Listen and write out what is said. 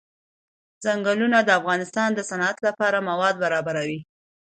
ځنګلونه د افغانستان د صنعت لپاره مواد برابروي.